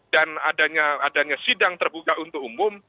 dan adanya sidang terbuka untuk umum